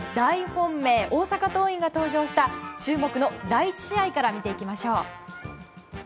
本命大阪桐蔭が登場した注目の第１試合から見ていきましょう。